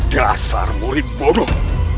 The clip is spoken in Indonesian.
dasar murid bodoh